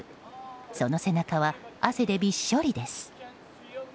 その背中は汗でびっしょりです。